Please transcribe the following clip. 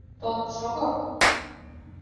Толын шого.